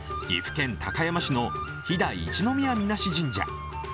岐阜県高山市の飛騨一宮水無神社。